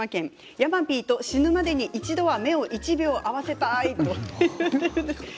山Ｐと死ぬまでに一度は目を１秒を合わせたい。